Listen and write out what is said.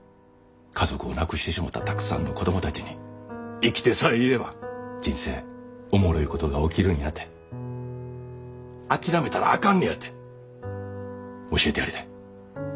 家族を亡くしてしもたたくさんの子供たちに生きてさえいれば人生おもろいことが起きるんやて諦めたらあかんのやて教えてやりたい。